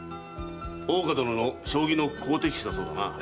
大岡殿の将棋の好敵手だそうだな。